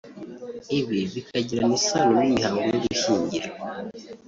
ibi bikagirana isano n'imihango yo gushyingira